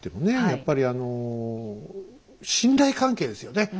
やっぱり信頼関係ですよね。